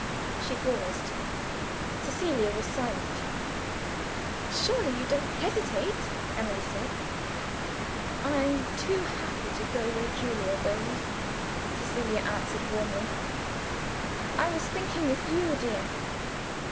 She paused. Cecilia was silent. "Surely you don't hesitate?" Emily said. "I am too happy to go wherever Julia goes," Cecilia answered warmly; "I was thinking of you, dear."